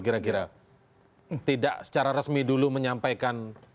kira kira tidak secara resmi dulu menyampaikan